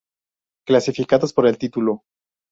Clasificados por el título